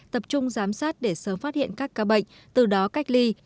tập trung giám sát để sớm phát hiện các ca bệnh từ đó cách ly